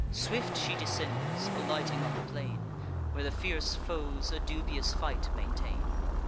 Swift she descends, alighting on the plain, Where the fierce foes a dubious fight maintain.